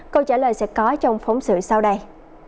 câu trả lời sẽ có trong phóng sự sau đây